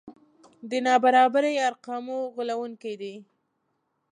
د نابرابرۍ ارقام غولوونکي دي.